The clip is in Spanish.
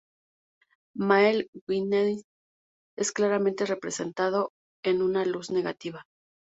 Maelgwn Gwynedd es claramente representado en una luz negativa.